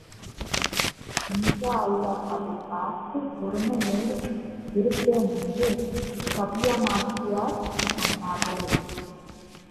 இன்ஷா அல்லாஹ் அதைப் பார்த்துப் பொறுமையோடு இருப்பேன் என்று ஸபிய்யா நாச்சியார் சொன்னார்கள்.